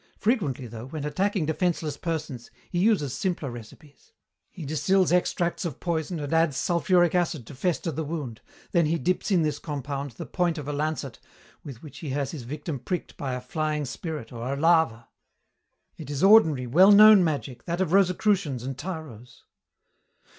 Frequently, though, when attacking defenceless persons, he uses simpler recipes. He distils extracts of poison and adds sulphuric acid to fester the wound, then he dips in this compound the point of a lancet with which he has his victim pricked by a flying spirit or a larva. It is ordinary, well known magic, that of Rosicrucians and tyros."